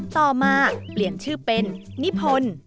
ต่อมาเปลี่ยนชื่อเป็นนิพนธ์